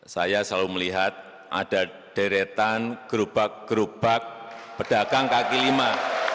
saya selalu melihat ada deretan gerobak gerobak pedagang kaki lima